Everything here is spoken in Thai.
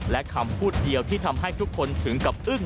และคำพูดเดียวที่ทำให้ทุกคนถึงกับอึ้ง